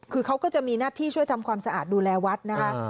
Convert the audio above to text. คือเขาก็จะมีหน้าที่ช่วยทำความสะอาดดูแลวัดนะคะ